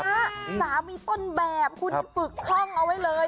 สามีต้นแบบคุณฝึกคล่องเอาไว้เลย